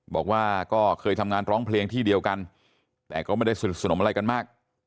บอกว่าก็เคยทำงานร้องเพลงที่เดียวกันแต่ก็ไม่ได้สนิทสนมอะไรกันมาก